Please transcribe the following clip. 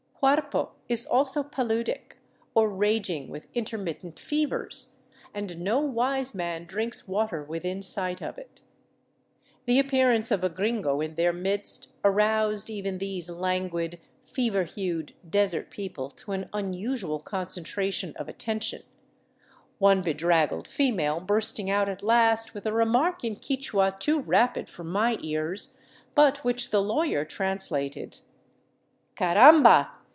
. Huarpo is also paludic, or raging with intermittent fevers, and no wise man drinks water within sight of it. The appearance of a gringo in their midst aroused even these languid, fever hued, desert people to an unusual concentra tion of attention, one bedraggled female bursting out at last with a remark in Quichua too rapid for my ears, but which the lawyer trans lated :" Caramba